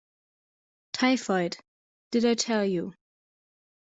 Typhoid -- did I tell you.